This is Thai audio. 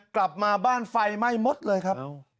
กลับมาบ้านไฟไหม้หมดเลยครับ